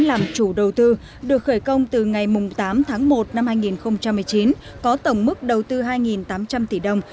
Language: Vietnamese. làm chủ đầu tư được khởi công từ ngày tám tháng một năm hai nghìn một mươi chín có tổng mức đầu tư hai tám trăm linh tỷ đồng